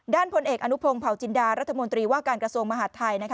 พลเอกอนุพงศ์เผาจินดารัฐมนตรีว่าการกระทรวงมหาดไทย